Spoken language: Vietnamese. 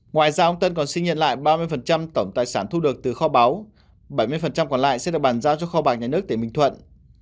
ngoài ra ông tân còn xin nhận lại ba mươi tổng tài sản thu được từ kho báu bảy mươi còn lại sẽ được bàn giao cho kho bạc nhà nước tỉnh bình thuận